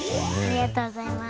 ありがとうございます。